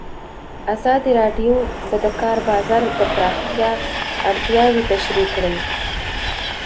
ازادي راډیو د د کار بازار د پراختیا اړتیاوې تشریح کړي.